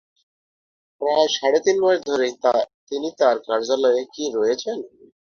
প্রায় সাড়ে তিন মাস ধরে তিনি তাঁর কার্যালয়ে কি রয়েছেন?